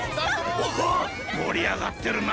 おおっもりあがってるな！